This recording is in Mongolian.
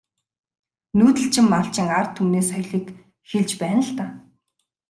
Нүүдэлчин малчин ард түмний соёлыг хэлж байна л даа.